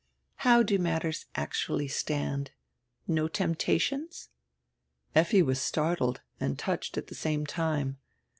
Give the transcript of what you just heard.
How do matters actually stand? No temptations?" Effi was startled and touched at the same time.